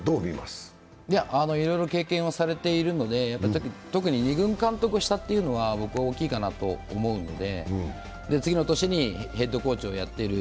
いろいろ経験されているので特に２軍監督をしたというのは大きいかなと思うので次の年にヘッドコーチをやっている。